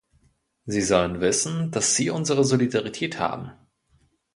Sie sollen wissen, dass sie unsere Solidarität haben.